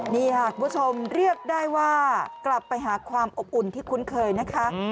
นี่ค่ะคุณผู้ชมเรียกได้ว่ากลับไปหาความอบอุ่นที่คุ้นเคยนะคะ